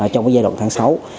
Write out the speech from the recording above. trong giai đoạn tháng sáu